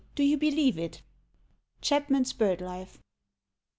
Do you believe it?_" _Chapman's Bird Life.